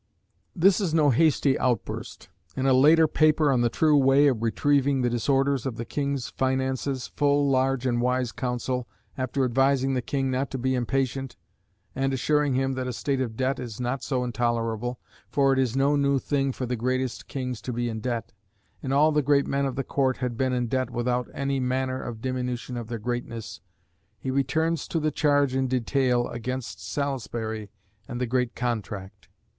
This is no hasty outburst. In a later paper on the true way of retrieving the disorders of the King's finances, full of large and wise counsel, after advising the King not to be impatient, and assuring him that a state of debt is not so intolerable "for it is no new thing for the greatest Kings to be in debt," and all the great men of the Court had been in debt without any "manner of diminution of their greatness" he returns to the charge in detail against Salisbury and the Great Contract.